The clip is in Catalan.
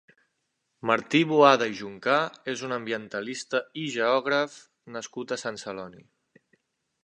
Martí Boada i Juncà és un ambientalista i geògraf nascut a Sant Celoni.